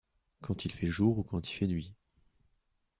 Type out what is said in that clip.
Quand il fait jour ou quand il fait nuit.